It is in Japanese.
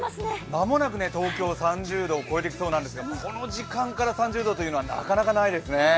間もなく東京、３０度を超えるんですが、この時間から３０度というのはなかなかないですよね。